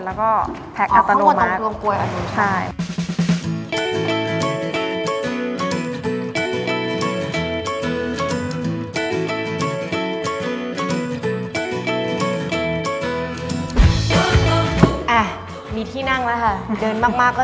บนข้างก็แพ็กสาบอัตโนมัติ